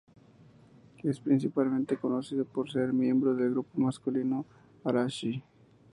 Es principalmente conocido por ser miembro del grupo masculino Arashi.